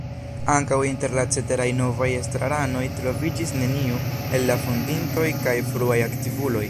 Ankaŭ inter la ceteraj novaj estraranoj troviĝis neniu el la fondintoj kaj fruaj aktivuloj.